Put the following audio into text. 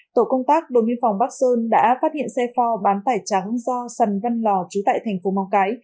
tổ công tác đồn viên phòng bắc sơn đã phát hiện xe pho bán tải trắng do sần văn lò trú tại thành phố mông cái